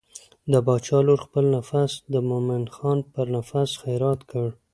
د باچا لور خپل نفس د مومن خان پر نفس خیرات کړ.